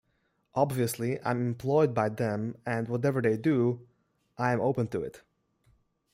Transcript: Obviously, I'm employed by them and whatever they do I am open to it.